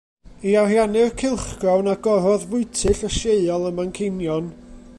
I ariannu'r cylchgrawn agorodd fwyty llysieuol ym Manceinion.